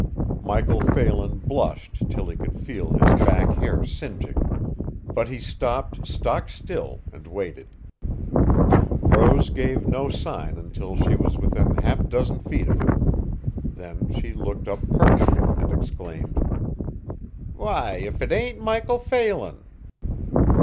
Michael Phelan blushed till he could feel his back hair singeing, but he stopped stock still and waited. Rose gave no sign until she was within half a dozen feet of him. Then she looked up pertly and exclaimed: "Why, if it ain't Michael Phelan!"